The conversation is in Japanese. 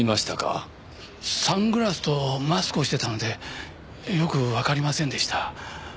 サングラスとマスクをしてたのでよく分かりませんでした